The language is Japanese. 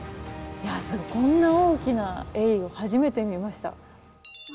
こんな大きなエイを初めて見ました。